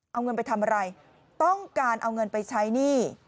เอาเงินไปทำอะไรต้องการเอาเงินไปใช้หนี้